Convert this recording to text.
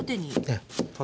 ええ。